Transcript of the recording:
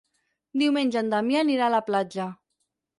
Diumenge en Damià anirà a la platja.